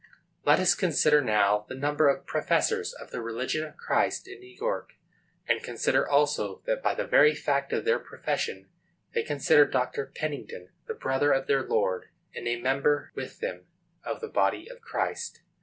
Let us consider now the number of professors of the religion of Christ in New York, and consider also that, by the very fact of their profession, they consider Dr. Pennington the brother of their Lord, and a member with them of the body of Christ.